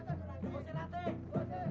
jadi kau selalu bohong berjudi